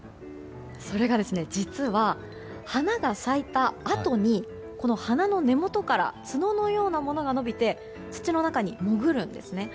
それが、実は花が咲いたあとに花の根元から角のようなものが伸びて土の中に潜るんですね。